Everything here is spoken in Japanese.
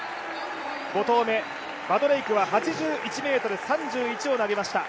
５投目、バドレイクは８６ｍ３１を投げました。